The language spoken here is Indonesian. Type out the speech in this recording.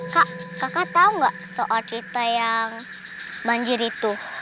kak kakak tahu nggak soal cerita yang banjir itu